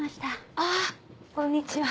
あっこんにちは。